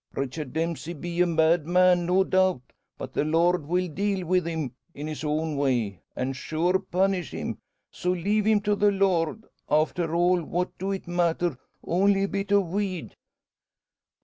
Richard Dempsey be a bad man, no doubt; but the Lord will deal wi' him in his own way, an' sure punish him. So leave him to the Lord. After all, what do it matter only a bit o' weed?"